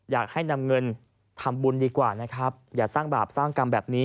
อยากให้นำเงินทำบุญดีกว่านะครับอย่าสร้างบาปสร้างกรรมแบบนี้